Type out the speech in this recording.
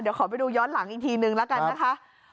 เดี๋ยวขอไปดูย้อนหลังอีกทีนึงแล้วกันนะคะ